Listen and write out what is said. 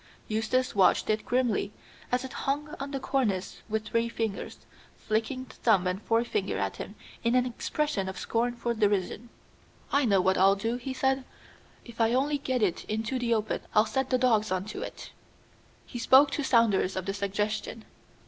Eustace watched it grimly as it hung on to the cornice with three fingers, flicking thumb and forefinger at him in an expression of scornful derision. "I know what I'll do," he said. "If I only get it into the open I'll set the dogs on to it." He spoke to Saunders of the suggestion.